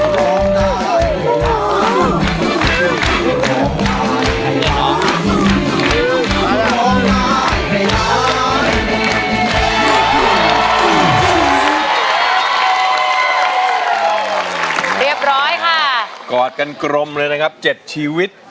เรียบร้อยค่ะกอดกันกรมเลยนะครับ๗ชีวิต